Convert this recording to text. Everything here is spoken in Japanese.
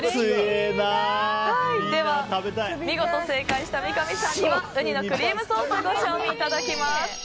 では、見事正解した三上さんにはウニのクリームソースをご賞味いただきます。